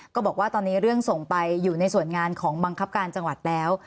ก็บอกว่าตอนนี้เรื่องส่งไปอยู่ในส่วนงานของบังคับการจังหวัดแล้ว